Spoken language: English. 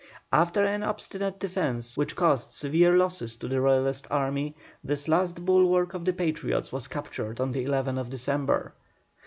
After an obstinate defence which caused severe losses to the Royalist army, this last bulwark of the Patriots was captured on the 11th December.